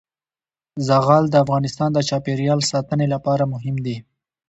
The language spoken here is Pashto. زغال د افغانستان د چاپیریال ساتنې لپاره مهم دي.